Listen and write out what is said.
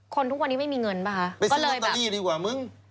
คนทุกวันนี้ไม่มีเงินเปล่าฮะก็เลยแบบไปซื้อลอตเตอรี่ดีกว่ามึง